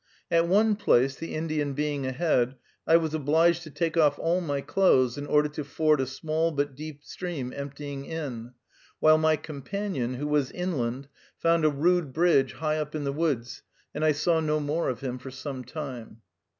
At one place, the Indian being ahead, I was obliged to take off all my clothes in order to ford a small but deep stream emptying in, while my companion, who was inland, found a rude bridge, high up in the woods, and I saw no more of him for some time.